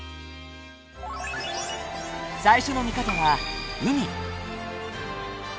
最初の見方は海。